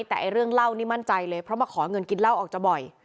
แต่เรื่องเล่านี่มั่นใจเลยเพราะมาขอเงินกินเหล้าออกจะบ่อย